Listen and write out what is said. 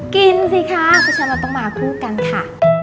กินสิคะผู้ชายมันต้องมาคู่กันค่ะ